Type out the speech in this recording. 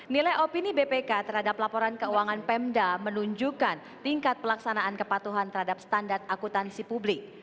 nilai opini bpk terhadap laporan keuangan pemda menunjukkan tingkat pelaksanaan kepatuhan terhadap standar akutansi publik